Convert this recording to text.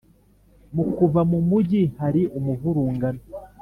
Mu kuva mu mugi hari umuvurungano